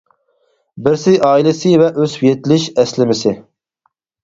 بىرسى ئائىلىسى ۋە ئۆسۈپ يېتىلىش ئەسلىمىسى.